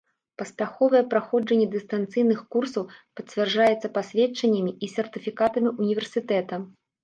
Паспяховае праходжанне дыстанцыйных курсаў пацвярджаецца пасведчаннямі і сертыфікатамі універсітэта.